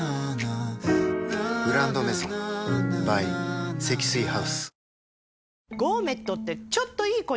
「グランドメゾン」ｂｙ 積水ハウス